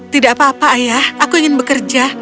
tidak apa apa ayah aku ingin bekerja